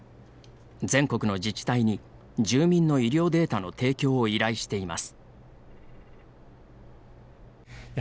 全国の自治体に住民の医療データの提供を依頼しています。